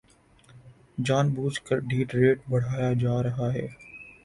جان بوجھ کر death rate بڑھایا جا رہا ہے